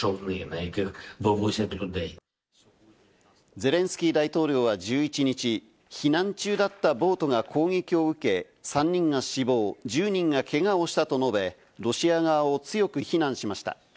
ゼレンスキー大統領は１１日、避難中だったボートが攻撃を受け、３人が死亡、１０人がけがをしたと述べ、ロシア側を強く非難しました。